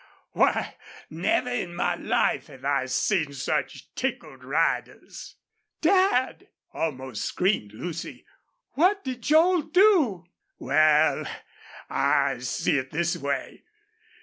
Why, never in my life have I seen such tickled riders." "Dad!" almost screamed Lucy. "What did Joel do?" "Wal, I see it this way.